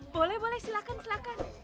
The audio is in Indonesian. boleh boleh silakan silakan